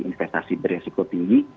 investasi beresiko tinggi